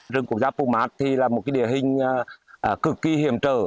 rừng quốc gia pumat thì là một địa hình cực kỳ hiểm trở